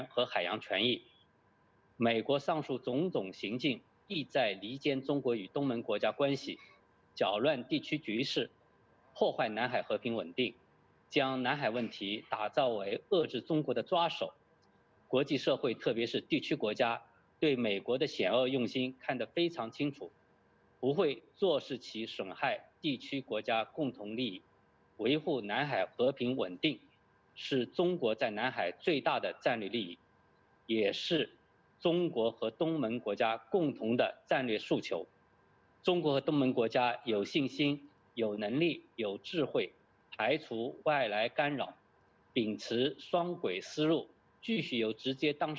kepada kepada kepada kepada kepada kepada kepada kepada kepada kepada